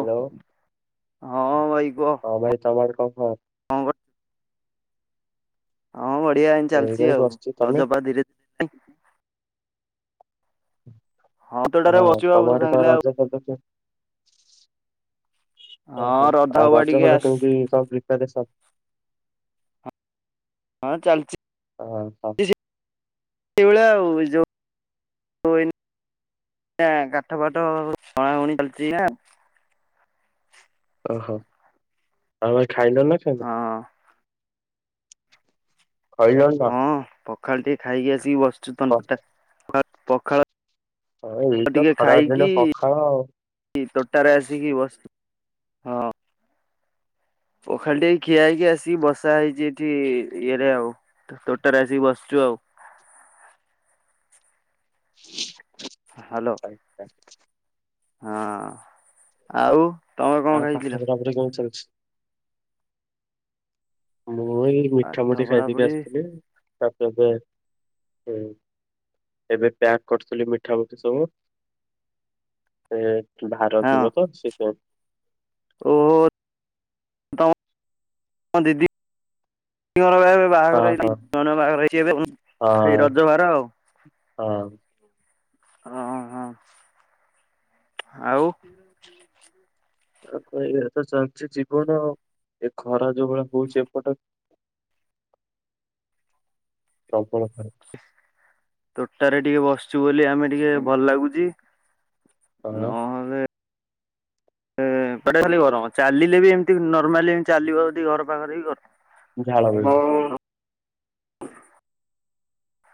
Hello ହଁ ଭାଇ କୁହ ହଁ ଭାଇ ତମର କଣ କହ? କଣ କର ହଁ ବଢିଆ ଏମିତି ଏଇ ଭାଇ ଚାଲିଛି ଆଉ। ବସିଛି ତମେ ରଜପା ଧୀରେ ଧୀରେ ତୋଟାରେ ହଁ ବସିଛୁ ଆଉ ତମଆଡେ କଣ ସାଙ୍ଗିଲା ଆଉ ରଜ ଫଜ ଚାଲିଛି? ଓହୋ ହଁ ରଧ ଆଉ ହବା ରଜ ଟିକେ ଫଜ ଆସ କେମିତି କଣ ପ୍ରିପାରେସନ୍? ହଁ ଚାଲିଛି। ହ ହ। [unintelligible] ସେଇଭଳିଆ ଆଉ ଯୋଉ କଣ କାଠ ଫାଠ ଅଣାଉଣି ଚାଲିଛି ନା? ଓହୋ ଆଉ ଖାଇଲ ନା ଖାଇନ? ହଁ ଖାଇଲନି ନା। ହଁ ପଖାଳ ଟିକେ ଖାଇକି ଆସିକି ବସଚୁ। କ ତନ ଟା ପଖାଳ ହଁ ଏଇତ ଖରା ଦିନେ ପଖାଳ। ଆଉ କି ତୋଟାରେ ଆସିକି ବସି ହଁ। ପଖାଳଟିକେ ଖିଆ ହେଇକି ଆସିକି ବସା ହେଇଛି ଏଠି ଇଏରେ ଆଉ ତ ତୋଟାରେ ଆସିକି ବସିଛୁ ଆଉ। [inaudible] ହ୍ୟାଲୋ। ଆ ହଁ ଆଉ ତମେ କଣ ଆଉ ଖାଇଥିଲ? ପାଠ ପଢାପଢି କଣ ଚାଲିଛି? ମୁଁ ଏଇ ପାଠ ମିଠାମୁଢି ଖାଇଦେଇକି ପଢାପଢି ଆସିଥିଲି। ତାପରେ ଏବେ ଏବେ ପ୍ୟାକ୍ କରୁଥିଲି ମିଠାମୁଠି ସବୁ। ଏ ଭାର ହଁ ଯିବତ ସେଇଥିପାଇଁ। ଓହୋ ତ ଦିଦି [unintelligible] ହଁ ବାହାଘର ହଁ ହେଇଚି ବାହାଘର ହେଇଚି ଏବେ ହଁ ସେଇ ରଜ ଭାର ଆଉ। ହଁ। ହଁ ହଁ ହଁ ଆଉ। ଆ କି ଏ ତ ଚାଲିଛି ଜୀବନ ଆଉ ଏ ଖରା ଯୋଉ ଭଳିଆ ହଉଛି ଏପଟ [unintelligible] ତୋଟାରେ ଟିକେ ବସିଛୁ ବୋଲି ଆମେ, ଟିକେ ଭଲ ଲାଗୁଛି। ହଁ ନହେଲେ [inaudible] ଏ ପଟେ ଖାଲି ଗରମ ଚାଲିଲେ ବି ଏମିତି ନର୍ମାଲି ଏମତି ଚାଲିବ ଯଦି ଘର ପାଖରେ ବି ଗର ଝାଳ ବହିବ।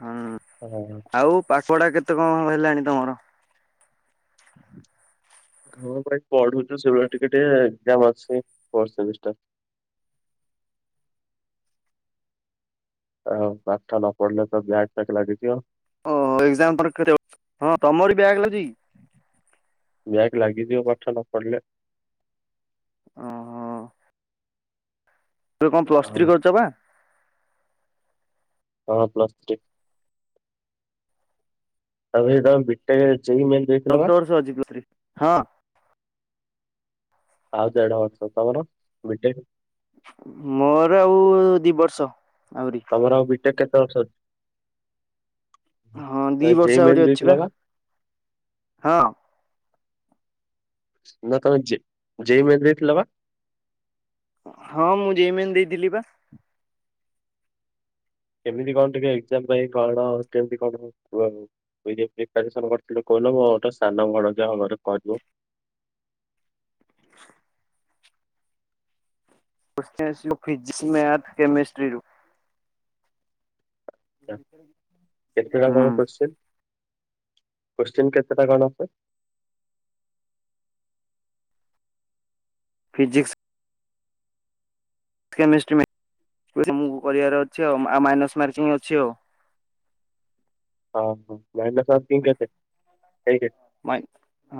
ହଁ। [unintelligible] ଆଉ ପାଠପଡା କେତେ କଣ ହେଲାଣି ତମର? ହଁ ଭାଇ ପଢୁଛୁ ସେଇଭଳିଆ ଟିକେ ଟିକେ ଏକ୍ଜାମ ଅଛି ଫୋର୍ଥ ସେମିଷ୍ଟାର। ଆଉ ପାଠ ନ ପଢିଲେ ତ ବ୍ୟାକ ଫ୍ୟାକ ଲାଗିଯିବ। ଓହୋ ଏକ୍ଜାମ, ହଁ ତମର ବ୍ୟାକ ଲାଗୁଛି କି? ବ୍ୟାଗ ଲାଗିଯିବ ପାଠ ନପଢିଲେ। ଓହଁ ତମେ କଣ ପ୍ଲସ ଆଉ ଥ୍ରୀ କରିଛ ବା? ହ ପ୍ଲସ ଥ୍ରୀ ତାପରେ ସେଇ ବିଟେକ୍ ଯେଇ ମେନ୍ ଦେଇଥିଲ [unintelligible] ବା ବର୍ଷ ଅଜି, [unintelligible] ହଁ ଆଉ ଦେଢବର୍ଷ। ତମର ବିଟେକ? ମୋର ଆଉ ଦି ବର୍ଷ ଆହୁରି। ତମର ଆଉ ବିଟେକ୍ କେତେ ବର୍ଷ ଅଛି? ହଁ ଦି ତମେ ଜେଇ ବର୍ଷ ମେନ୍ ଆହୁରି ଦେଇଥିଲ ଅଛିବା। ବା ହଁ ନା ତମେ ଜେଇ ଜେଇମେନ୍ ଦେଇଥିଲ ବା? ହଁ ମୁଁ ଜେଇମେନ୍ ଦେଇଥିଲି ପା। କେମିତି କଣ ଟିକେ ଏକ୍ଜାମ ପାଇଁ ପଢ କେମିତି କଣ? [unintelligible] ପ୍ରିପେୟାରସନ କରିଥିଲ କହୁନ ମୋର ଗୋଟେ ସାନ ଭଣଜା ହବ ପଢିବ। ହ କୋଶ୍ଚିନ ଆସିବ ଫିଜିକ୍ସ, ମ୍ୟାଥ, କେମିଷ୍ଟ୍ରିରୁ। କେତେଟା ହୁଁ କଣ କୋଶ୍ଚିନ, କୋଶ୍ଚିନ କେତେଟା କଣ ଅ? ଫିଜିିକ୍ସ କେମେଷ୍ଟ୍ରି ମୁଁ କହିବାର ଅଛି ଆଉ ମାଇନର୍ସ ମାର୍କିଙ୍ଗ ଅଛି ଆଉ। ହଁ ହଁ ମାଇନସ ମାର୍କିଙ୍ଗ କେତେ? ହେଇ କେ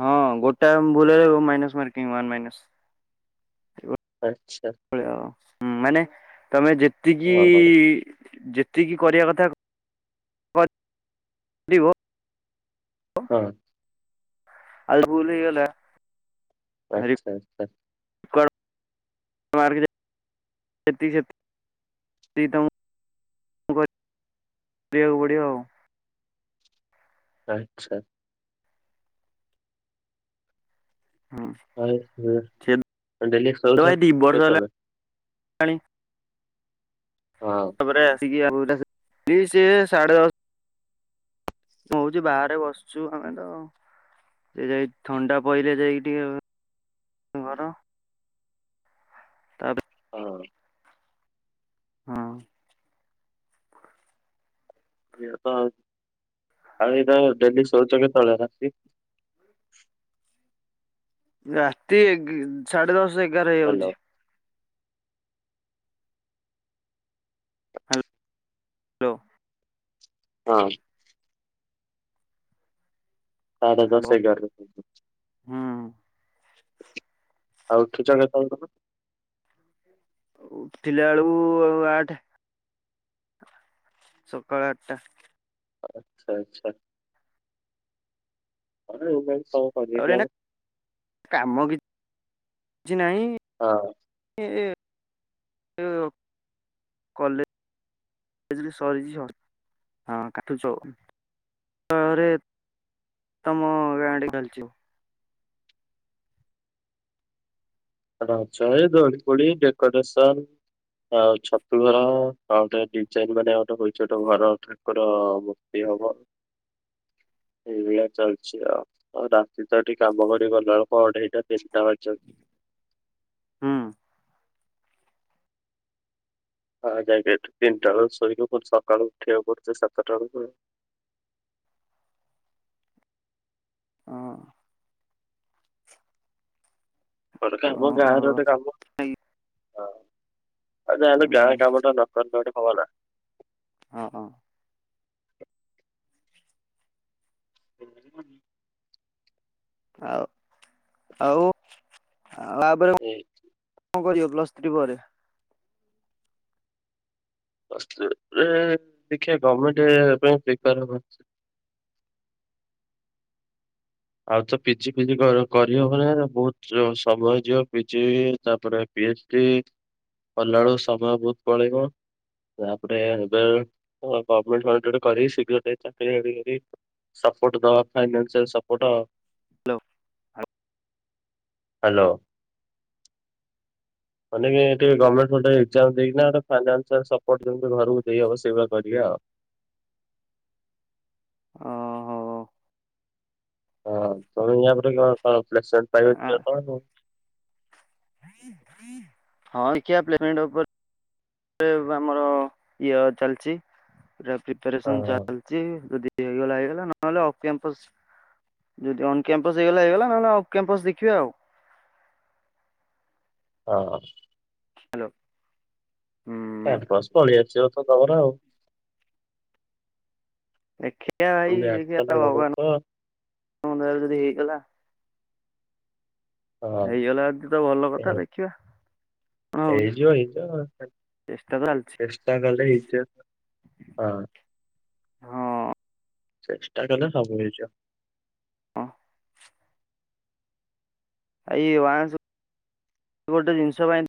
ହଁ ଗୋଟାଏ ଭୁଲ ହେଇଗଲେ ମାଇନସ୍ ମାର୍କିଙ୍ଗ ୱାନ ମାଇନସ। ଆଚ୍ଛା ହଁ ମାନେ ତମେ ଯେତିକି ହଁ ହଉ ଯେ ତିକି କରିବା କଥା କ କରିବ ହଁ। ଆଲ ଭୁଲ ହୋଇଗଲା। ଆଚ୍ଛା ଆଚ୍ଛା। କଣ ମା ଯେତିକି ସେତିକି ସେତିକି ତମକୁ କରିବାକୁ ପଡ଼ିବ ଆଉ। [unintelligible] ହୁଁ ସେ ଆଉ ଡେଲି ଶୋଉଛ ଭାଇ ଦି ବର୍ଷ କେତେବେଳେ ହେଲାଣି ହଁ। ତାପରେ ଆସିକି [unintelligible] ସେ ସାଢେ ଦଶ ହଉଛି ବାହାରେ ବସୁଛୁ ଆମେ ତ ସେ ଯାଇ ଥଣ୍ଡା ପଇଲେ ଯାଇକି ଟିକେ ତମ ଘର? ତାପରେ ହଁ। ହଁ। ସେଇଆ ତ ଆଉ ଡେଲି ଶଉଛ କେତେବେଳେ ରାତି ରାତି ସାଢେ ଦଶ ଏଗାର ହ୍ୟାଲୋ ହେଇଯାଉଛି। ହାଲ ହ୍ୟାଲୋ ହଁ। ସାଢେ ହ୍ୟାଲୋ ଦଶ ଏଗାରରେ [inaudible] ହୁଁ ଆଉ ଉଠୁଚ କେତେବଳେ ତମେ? ଉଠିଲା ଏଳୁକୁ ଆଠେ। ସକାଳ ଆଟା। ଆଚ୍ଛା ଆଚ୍ଛା [unintelligible] ତାପରେ ଏଇନା କାମ କି ଛି ନାଇଁ। ହଁ। ଏ ଏ ଏ ଓପ୍ କଲେ ଏଜ୍ ବି ସରିଚି ଝ ହଁ କାଠୁଚୋ ତାପରେ ତମ ଗାଁ ଆଡେ କାଲି ଯିବୁ। ରଜରେ ଦୋଳି ଫୋଳି ଡେକୋରେସନ୍। ଆଉ ଛତୁ ଘର ଆଉ ଗୋଟେ ଡିଜାଇନ୍ ମାନେ ଗୋଟେ ହୋଇଛି ଗୋଟେ ଘର। ଠାକୁର ମୂର୍ତ୍ତି ହବ ଏଇଭଳିଆ ଚାଲିଛି ଆଉ। ଆଉ ରାତି ତ ଏଠି କାମ କରି ଗଲାବେଳୁକୁ ଅଢେଇଟା ତିନଟା ବାଜି ଯାଉ ହୁଁ। ହଁ ଯାଇକି ଏଠୁ ତିନିଟା ବେଳେ ଶୋଇକି ଫୁଣି ସକାଳୁ ଉଠିବାକୁ ପଡୁଚି ସାତଟା ବେଳୁକୁ। ହଁ। ନହେଲେ କାଇଁ କୁହ ଗାଁରେ ହଁ ଗୋଟେ କାମ ଆଁ ଆଉ ଯା ହେଲେ ଗାଁ କାମଟା ନ କରଲେ ଗୋଟେ ହବ ନା। ହଁ ହଁ। [inaudible] ଆଉ ଆଉ ଆଉ ଆପରେ ଏଇ କଁ କଁ କରିବ ପ୍ଲସ୍ ଥ୍ରୀ ପରେ। ପ୍ଲସ୍ ଥ୍ରୀ ରେ ଦେଖିଆ ଗମେଣ୍ଟେ ପାଇଁ ପ୍ରିପେୟାର୍ ହବା। ଆଉ ତ ପିଜି ଫିଜି କର୍ କରି ହବ ନା ବୋହୁତ ଚ ସମୟ ଯିବ ପିଜି ତାପରେ ପି ଏଚ୍ କି କଲାବେଳୁକୁ ସମୟ ବୋହୁତ ପଳେଇବ। ତାପରେ ଏବେ ଓ ଗମେଣ୍ଟ ଫମେଣ୍ଟ ଗୋଟେ କରିକି ଶୀଘ୍ର ଟିକେ ଚାକିରି ଫାକିରି କରିବି। ସପୋଟ୍ ଦବା ଫାଇନାନ୍ସିଆଲ୍ ସପୋଟ। ହାଲୋ ହାଙ୍ଗ। ହାଲୋ। ମାନେ କି ଟିକେ ଗମେଣ୍ଟ ଫେଣ୍ଟେ ଏଗଜାମ୍ ଦେଇକିନା ଫାଇନାନ୍ସିଆଲ୍ ସପୋଟ୍ ଯେମିତି ଘରକୁ ଦେଇ ହବ ସେଇଭଳିଆ କରିବା ଆଉ। ଓହୋ। ହଁ ତମେ ୟାପରେ କଁ କଁ ପ୍ଲେସମେଣ୍ଟ ପ୍ରାଇଭେଟ୍ ଯିବ ତ ଆଉ। ହଁ ଦେଖିଆ ପ୍ଲେସମେଣ୍ଟ ଓପର୍ ଏବ୍ ଆମର ଇୟା ଚାଲଚି ପୁରା ପ୍ରିପ୍ୟାରେସନ୍ ହଁ ଚାଲଚି ଯଦି ଇଏ ହେଇଗଲା ହେଇଗଲା ନହେଲେ ଅଫ୍ କ୍ୟାମ୍ପସ୍। ଯଦି ଅନ୍ କ୍ୟାମ୍ପସ୍ ହେଇଗଲା ହେଇଗଲା ନହେଲେ ଅଫ୍ କ୍ୟାମ୍ପସ୍ ଦେଖିବା ଆଉ। ହ ବ୍ ହାଲୋ ହୁଁ। କ୍ୟାମ୍ପସ୍ ପଳି ଆସିବ ତ ତମର ଆଉ। ଦେଖିଆ ଏଇ ବ୍ୟାକ୍ ତ ଦେଖିଆ ଲାଗୁନଥିବ ଭଗବାନଙ୍କ ଦୟାରୁ ଯଦି ହେଇଗଲା ହଁ। ହେଇଗଲା ଯଦି ତ ଭଲ କଥା ଦେଖିବା। କଣ ହଉଛି ହେଇଯିବ ହେଇଯିବ ଚେଷ୍ଟା ତ ଚାଲିଛି ଚେଷ୍ଟା କଲେ ହେଇଯିବ। ହଁ। ହଁ। ଚେଷ୍ଟା କଲେ ସବୁ ହେଇଯିବ। ଆ ଇଏ ୱାନ୍ସ ଗୋଟେ ଜିନିଷ ପାଇଁ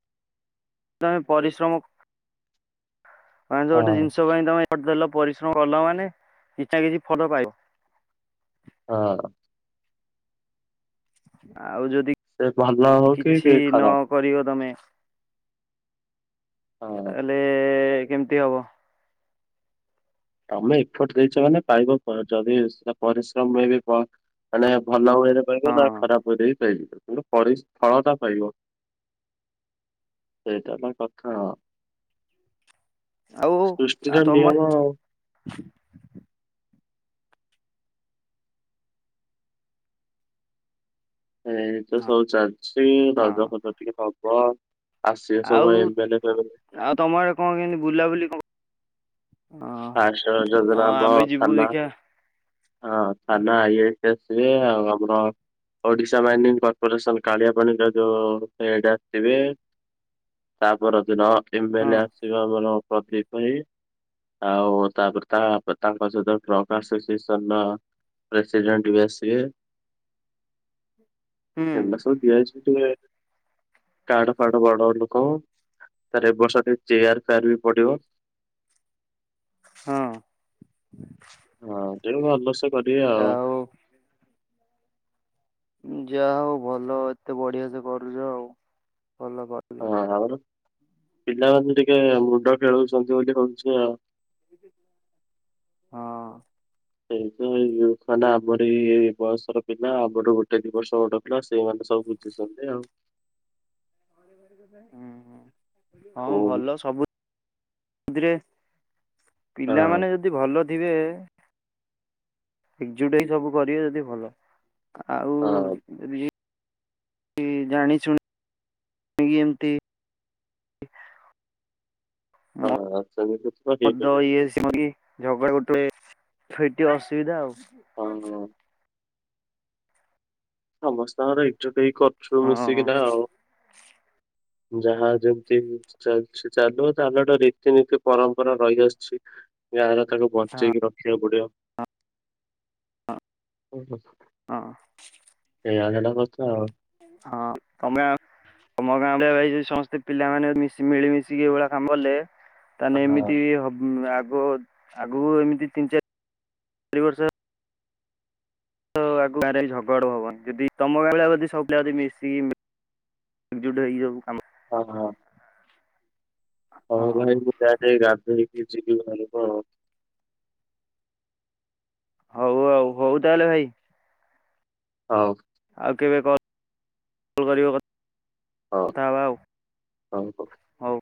ତମେ ପରିଶ୍ରମ ୱାନ୍ସ ଗୋଟେ ହଁ ଜିନିଷ ପାଇଁ ତମେ [inaudible] ଦେଲ ପରିଶ୍ରମ କଲ ମାନେ କିଛି ନା କିଛି ଫଲ ପାଇବ। ହଁ। ଆଉ ଯଦି ସେ ଭଲ ହଉ କି କି କିଛି ନ ଖରାପ କରିବ ତମେ ହଁ ତାହେଲେ କେମିତି ହବ। ତମେ ଏଫର୍ଟ ଦେଇଛ ମାନେ ପାଇବ ପରେ ଯଦି ସେଟା ପରିଶ୍ରମ ମେ ବି ମାନେ ଭଲ ହୁଏ ସେପାଇଁ କହୁଚି ନାଁ ହଁ ଖରାପ ୱେରେବୀ ବି ପାଇଜିବ କିନ୍ତୁ ପରିଶ୍ ଫଳ ଟା ପାଇବ। ସେଇଟା ହେଲା କଥା ଆଉ ସୃଷ୍ଟିର ନିୟମ ଆଉ। ହୁ। ଏଇତ ସବୁ ଚାଲିଛି ରଜ ହଁ ଫଜ ଟିକେ ହବ। ଆସିବେ ସବୁ ଆଉ [inaudible] ଆଉ ତମର ଆଡେ କଣ କେମିତି ବୁଲାବୁଲି କଣ ହଁ ଫାଷ୍ଟ ରଜ ହଁ ଦିନ ଆମ ଆମେ ଯିବୁ ଥାନା ଦେଖିଆ ହଁ ଥାନା ଆଇ ଆଇ ସି ଆସିବେ ଆଉ ଆମର ଓଡିଶା ମାଇନିଂ କର୍ପୋରେସନ କାଳିଆ ପାଣିର ଯୋଉ ଏଇ ଟା ଆସିବେ। ତାପର ଦିନ ଏମ୍ ଏ ହଁ ଲେ ଆସିବେ ଆମର ପ୍ରଦୀପ। ଆଉ ତାପରେ ତା ତାଙ୍କ ସହିତ ଟ୍ରକ ଆସୋସିଏସ ସେନ ପ୍ରେସିଡେଣ୍ଟ ବି ଆସିବେ। ହୁଁ [unintelligible] କାଡ଼ ଫାଡ ବଡ ଲୋକ ତାରେ ଏ ବର୍ଷ ଟିକେ ଚେୟାର ଫେୟାର ବି ପଡିବ। ହୁଁ। ହଁ ଟିକେ ଭଲସେ କରିବା ଆଉ। ଯାହା ହଉ ଭଲ ଏତେ ବଢିଆ ସେ କରୁଛ ଆଉ ଭଲ କର। ହଁ ଆମର ପିଲାମାନେ ଟିକେ ମୁଣ୍ଡ ଖେଳଉଛନ୍ତି ବୋଲି ହଉଛି ଆଉ। ହଁ। ଏଇ ତ ଏଇଜଉକାନା ଆମରି ଏଇ ବୟସର ପିଲା ଆମଠୁ ଗୋଟେ ଦି ବର୍ଷ ଗୋଟେ ହ ସେଇମାନେ ତ ସବୁ ବୁଝୁଛନ୍ତି ଆଉ। ହଁ ହଁ ହଉ ହଁ ଭଲ ସବୁ। ଏମିତିରେ ପିଲାମାନେ ଯଦି ଭଲ ଥିବେ ଏକଜୁଟ ହେଇ ସବୁ କରିବେ ଯଦି ଭଲ ଆଉ ହଁ। ଯଦି କି ଜାଣି ଶୁଣିକି ଏମତି ହଁ। [inaudible] ମଦ ଇଏ ସିଏ ଝଗଡ଼ା ଗୋଟେ ଏଠି ଅସୁବିଧା ଆଉ। ହଁ ହଁ। ସମସ୍ତଙ୍କର ଏକଜୁଟ ହେଇକି କରୁଛୁ ହଁ ହଁ ମିଶିକିନା ଆଉ। ଯାହା ଯେମତି ଚାଲିଛି ଚାଲୁ ତାହେଲେ ଗୋଟେ ରୀତିନୀତି ପରମ୍ପରା ରହିଆସିଛି। ଗାଁରେ ତାକୁ ହଁ। ବଞ୍ଚେଇକି ରଖ। ରଖିବାକୁ ପଡିବ। ହଁ। ଏଇଆ ହେଟା କଥା ଆଉ। ହଁ ତମେ ତମ ଗାଁରେ ଭାଇ ଜଦି ସମସ୍ତେ ପିଲାମାନେ ମିଶ ମିଳିମଶିକି ଏଇଭଳିଆ କାମ କଲେ ତା ହଁ ହେନେ ଏମିତି ହ ଆଗ ଆଗକୁ ଏମତି ତିନି ଚାରି ଚାରି ବର୍ଷ ଆଗ ଗାଁରେ ଝଗଡ଼ା ହବନି ଯଦି ତମ ଗାଁଭଳିଆ ଯଦି ସବୁ ପିଲା ଯଦି ମିଶିକି ଏକଜୁଟ ହେଇକି ସବୁ କାମ ଓହୋ। ହଁ ଭାଇ ମୁଁ ଯାଏ ଟିକେ ଗାଧେଇକି ଯିବି ଘରକୁ ଆଉ। ହଉ ଆଉ ହଉ ତାହେଲେ ଭାଇ। ହଉ। ଆଉ କେବେ କଲ କରିବ ହଉ କଥା ହେବା ଆଉ। ହଉ ମୁଁ କ ହଉ।